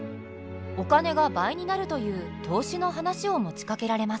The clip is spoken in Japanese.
お金が倍になるという投資の話を持ちかけられます。